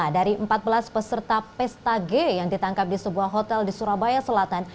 lima dari empat belas peserta pesta g yang ditangkap di sebuah hotel di surabaya selatan